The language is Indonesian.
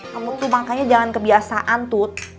namun tuh makanya jangan kebiasaan tut